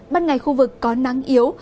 bắt ngày khu vực có nắng yếu